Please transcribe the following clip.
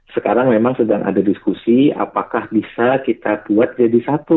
sekarang memang sedang ada diskusi apakah bisa kita buat jadi satu